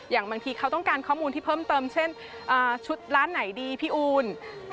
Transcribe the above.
บางทีเขาต้องการข้อมูลที่เพิ่มเติมเช่นชุดร้านไหนดีพี่อูล